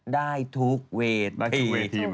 ได้ทุกเวที